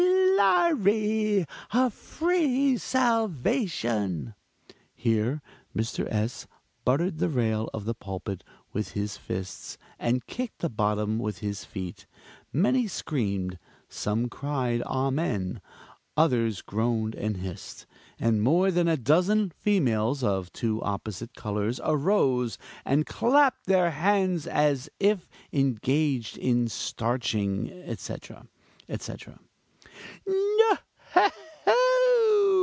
Glory! a free salvation! (Here Mr. S. battered the rail of the pulpit with his fists, and kicked the bottom with his feet many screamed some cried amen! others groaned and hissed and more than a dozen females of two opposite colors arose and clapped their hands as if engaged in starching, etc., etc.) No h o!